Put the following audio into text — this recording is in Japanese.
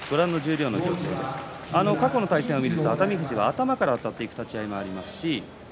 過去の対戦を見ると熱海富士頭からあたる立ち合いもあります。